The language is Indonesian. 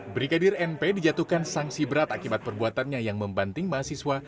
brigadir np dijatuhkan sanksi berat akibat perbuatannya yang membanting mahasiswa